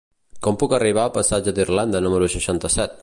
Com puc arribar al passatge d'Irlanda número seixanta-set?